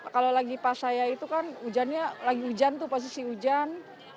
kalau lagi pas saya itu kan hujannya lagi hujan tuh posisi hujan